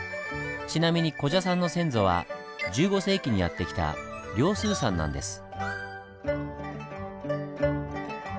ちなみに古謝さんの先祖は１５世紀にやって来た梁崇さんなんです。